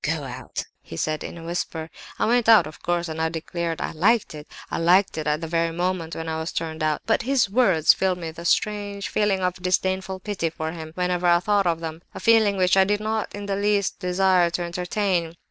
'Go out,' he said, in a whisper. I went out, of course, and I declare I liked it. I liked it at the very moment when I was turned out. But his words filled me with a strange sort of feeling of disdainful pity for him whenever I thought of them—a feeling which I did not in the least desire to entertain.